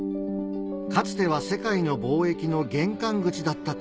かつては世界の貿易の玄関口だった